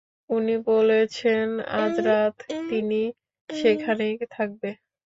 উনি বলেছেন আজ রাত তিনি সেখানেই থাকবে।